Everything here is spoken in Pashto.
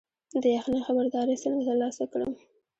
د یخنۍ خبرداری څنګه ترلاسه کړم؟